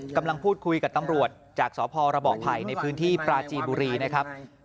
กำลังพูดคุยกับตำรวจจากสพระเบาะไผ่ในพื้นที่ปราจีนบุรีนะครับ